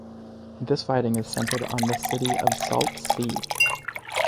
This riding is centred on the city of Sault Ste.